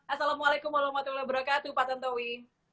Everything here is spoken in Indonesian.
assalamualaikum warahmatullahi wabarakatuh pak tantowi